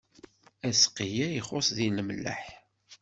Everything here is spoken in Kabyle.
Aseqqi-a ixuṣṣ deg lemleḥ.